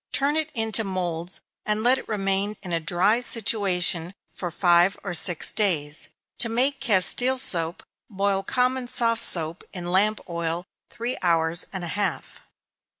Turn it into moulds, and let it remain in a dry situation for five or six days. To make Castile soap, boil common soft soap in lamp oil three hours and a half.